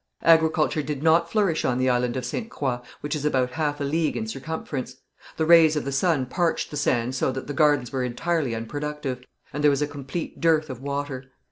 Agriculture did not flourish on the island of Ste. Croix, which is about half a league in circumference. The rays of the sun parched the sand so that the gardens were entirely unproductive, and there was a complete dearth of water.